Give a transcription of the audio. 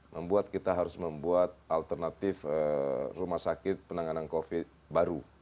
membuat kita harus membuat alternatif rumah sakit penanganan covid baru